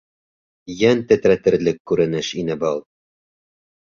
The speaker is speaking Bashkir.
Йән тетрәтерлек күренеш ине был.